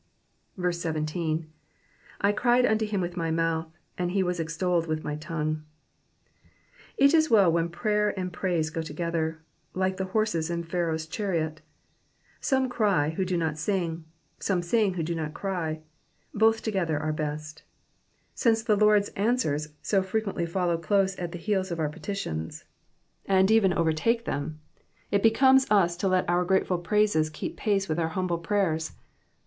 17. ^^ I cried unto him with my mouthy and he woi extolled with my tongue.''^ It is well when prayer and praise go together, like the hoises in Pharaoh's chariot 8omo cry who do not sing, and some sing who do not cry : both together are best, bince the Lord's answers so frequently follow close at the heels of our petitions, and even overtake them, it becomes us to let our grateful praises keep pace with our humble prayers.